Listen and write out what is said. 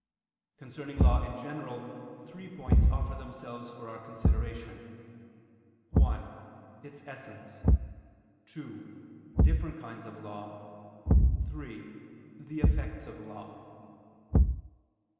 Concerning law in general three points offer themselves for our consideration: (1) Its essence; (2) The different kinds of law; (3) The effects of law.